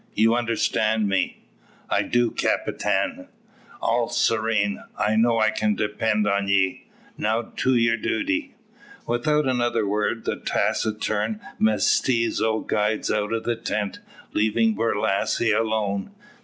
You understand me?" "I do, capitan." "All serene. I know I can depend on ye. Now, to your duty." Without another word, the taciturn mestizo glides out of the tent, leaving Borlasse alone.